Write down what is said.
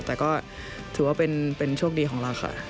แต่ก็ถือว่าเป็นโชคดีของเราค่ะ